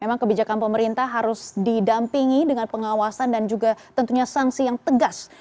memang kebijakan pemerintah harus didampingi dengan pengawasan dan juga tentunya sanksi yang tegas